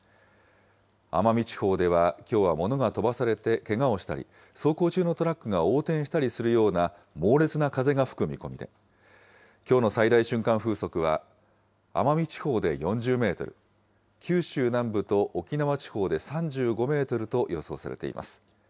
奄美地方ではきょうは物が飛ばされてけがをしたり、走行中のトラックが横転したりするような猛烈な風が吹く見込みで、きょうの最大瞬間風速は、奄美地方で４０メートル、九州南部と沖縄地方で３５メートルと予想されています。